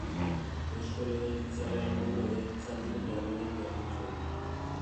Eusko legebiltzarrean hiru legegintzaldi jarraian jardun zuen.